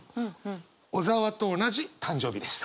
小沢と同じ誕生日です。